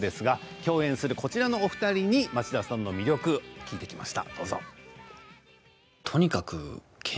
共演するこちらのお二人に町田さんの魅力を聞いてきました。